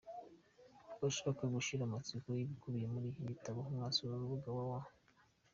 Ku bashaka gushira amatsiko y’ibikubiye muri iki gitabo, mwasura urubuga www.